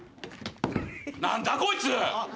何だこいつ！